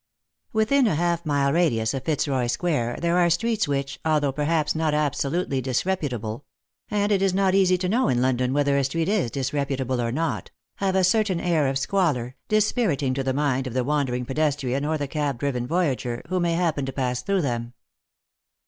Within a half mile radius of Fitzroy square there are streets which, although perhaps not absolutely disreputable — and it is not easy to know in London whether a street is disreputable or not — have a certain air of squalor, dispiriting to the mind of thewandering pedestrian or the cab driven voyager who may happen to pass through them.